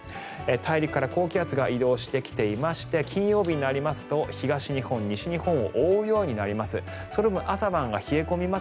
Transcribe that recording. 大陸から高気圧が移動してきていまして金曜日になりますと東日本、西日本を覆うようになります。